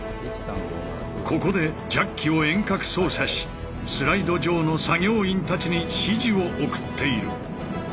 ここでジャッキを遠隔操作しスライド上の作業員たちに指示を送っている。